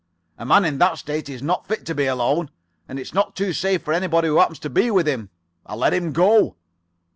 A man in that state is not fit to be alone. And it's not too safe for anybody who happens to be with him. I let him go."